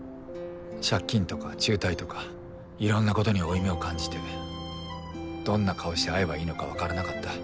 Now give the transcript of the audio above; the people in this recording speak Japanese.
借金とか中退とかいろんな事に負い目を感じてどんな顔して会えばいいのか分からなかった。